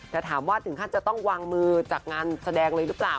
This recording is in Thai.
แต่ถามว่าถึงขั้นจะต้องวางมือจากงานแสดงเลยหรือเปล่า